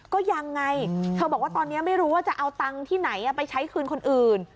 ก็ยังไงเธอบอกว่าตอนนี้ไม่รู้ว่าจะเอาตังค์ที่ไหนไปใช้คืนคนอื่น